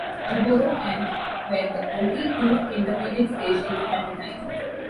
Pulborough and were the only two intermediate stations at the time.